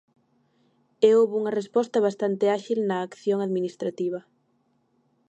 E houbo unha resposta bastante áxil na acción administrativa.